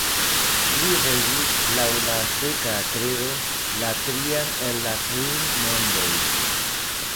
Li regis, laŭ la azteka kredo, la trian el la kvin mondoj.